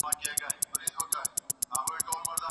کتابونه د هیلې تر ټولو ښه ملګري وو.